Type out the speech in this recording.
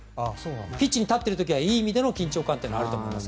ピッチに立っている時はいい意味での緊張感というのはあると思います。